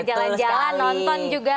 jalan jalan nonton juga